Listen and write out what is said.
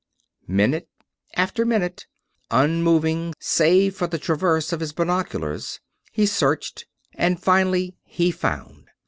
Minute after minute, unmoving save for the traverse of his binoculars, he searched, and finally he found.